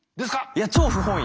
いや超不本意。